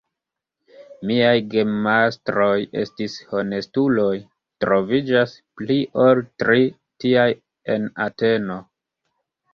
Miaj gemastroj estis honestuloj; troviĝas pli ol tri tiaj en Ateno.